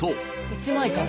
１枚から？